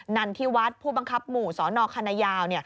นั่นที่วัดผู้บังคับหมู่สนคันยาว